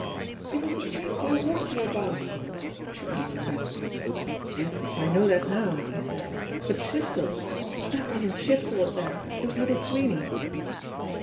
"It was the trap I warned you about," she answered back. "Yes; I know that now," he said. "But Shiftel! That wasn't Shiftel up there. It was Little Sweeney."